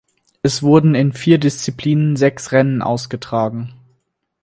Es wurden in vier Disziplinen sechs Rennen ausgetragen.